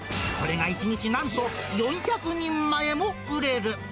これが１日なんと、４００人前も売れる。